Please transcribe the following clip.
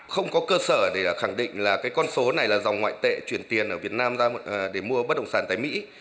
không có cơ sở để khẳng định là cái con số này là dòng ngoại tệ chuyển tiền ở việt nam ra để mua bất động sản tại mỹ